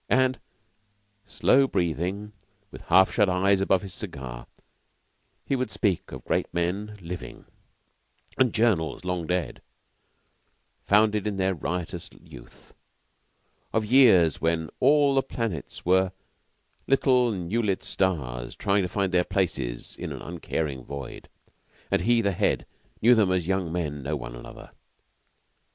And, slow breathing, with half shut eyes above his cigar, would he speak of great men living, and journals, long dead, founded in their riotous youth; of years when all the planets were little new lit stars trying to find their places in the uncaring void, and he, the Head, knew them as young men know one another.